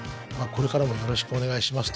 「これからもよろしくお願いします」というね。